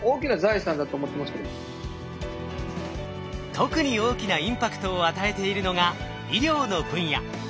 特に大きなインパクトを与えているのが医療の分野。